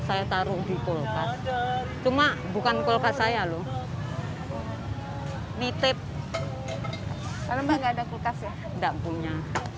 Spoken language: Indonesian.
saya taruh di kulkas cuma bukan kulkas saya loh nitip karena enggak ada kulkas ya enggak punya